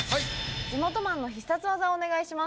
地元マンの必殺技をお願いします